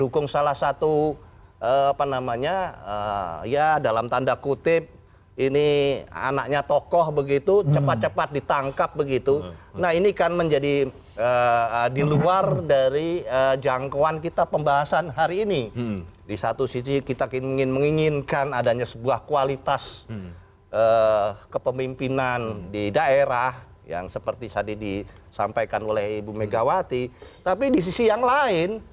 kami tidak beranggapan demikian